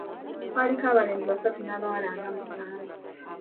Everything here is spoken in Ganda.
Kwaliko abalenzi basatu n’abawala nga musanvu.